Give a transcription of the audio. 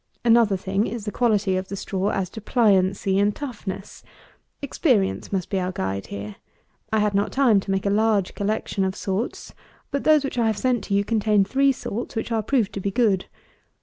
Another thing is, the quality of the straw as to pliancy and toughness. Experience must be our guide here. I had not time to make a large collection of sorts; but those which I have sent to you contain three sorts which are proved to be good.